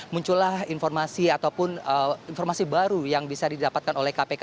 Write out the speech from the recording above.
muncullah informasi ataupun informasi baru yang bisa didapatkan oleh kpk